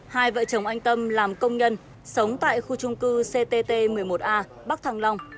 hai vợ chồng anh tâm làm công nhân sống tại khu trung cư ctt một mươi một a bắc thăng long